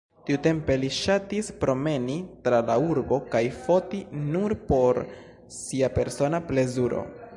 Tiutempe li ŝatis promeni tra la urbo kaj foti nur por sia persona plezuro.